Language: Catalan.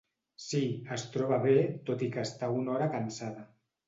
Sí, es troba bé tot i que està una hora cansada.